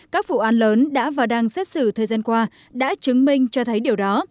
các vụ án lớn đã và đang xét xử thời gian qua đã chứng minh cho thấy điều đó